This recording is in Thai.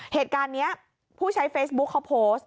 เหตุการณ์นี้ผู้ใช้เฟซบุ๊คเขาโพสต์